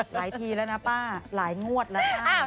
หลายทีแล้วนะป้าหลายงวดแล้ว